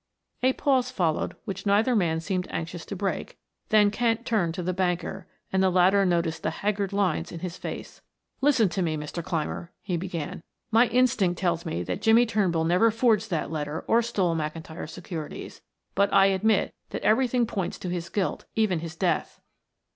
A pause followed which neither man seemed anxious to break, then Kent turned to the banker, and the latter noticed the haggard lines in his face. "Listen to me, Mr. Clymer," he began. "My instinct tells me that Jimmie Turnbull never forged that letter or stole McIntyre's securities, but I admit that everything points to his guilt, even his death."